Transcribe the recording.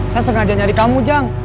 saya sengaja nyari kamu jang